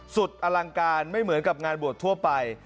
สุดอลังการไม่เหมือนกับงานบวชทั่วไป